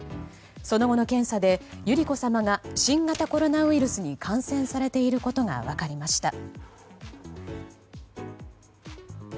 その後の検査で百合子さまが新型コロナウイルスに感染されていることが分かりました。